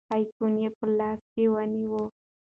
آیفون یې په لاس کې ونیوه.